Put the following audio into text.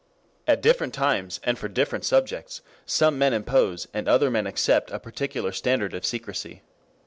At different times and for different subjects some men impose and other men accept a particular standard of secrecy.